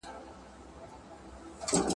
تنده له پامه مه غورځوئ.